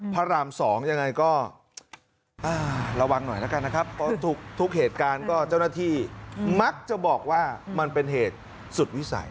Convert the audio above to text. พระร่ำ๒ยังไงก็ระวังหน่อยนะครับทุกเหตุการณ์เจ้าหน้าที่มักจะบอกว่ามันเป็นเหตุสุดวิสัย